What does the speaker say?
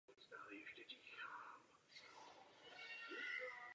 Nejsou vázáni žádnými příkazy ani pokyny.